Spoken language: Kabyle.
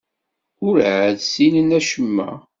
Werɛad ssinen acemma.